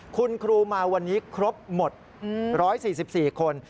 คุณครูมาวันนี้ครบหมด๑๔๔คน